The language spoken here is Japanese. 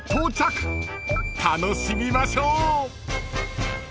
［楽しみましょう］